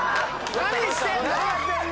何してんの！